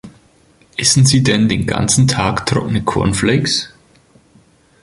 Essen Sie denn den ganzen Tag trockene Cornflakes?